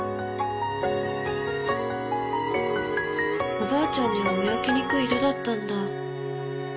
おばあちゃんには見分けにくい色だったんだ。